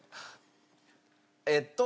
えっと。